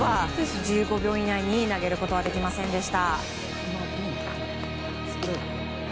１５秒以内に投げることはできませんでした。